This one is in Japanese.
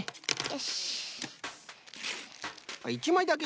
よし！